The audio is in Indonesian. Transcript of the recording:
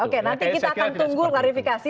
oke nanti kita akan tunggu klarifikasi